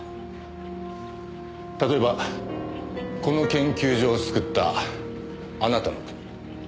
例えばこの研究所を作ったあなたの国。